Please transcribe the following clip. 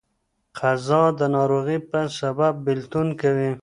قضا د ناروغۍ په سبب بيلتون کوي.